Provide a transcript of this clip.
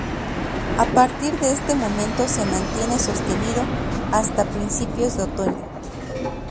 A partir de este momento se mantiene sostenido hasta principios de otoño.